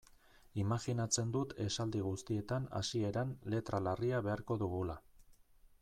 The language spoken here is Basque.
Imajinatzen dut esaldi guztietan hasieran letra larria beharko dugula.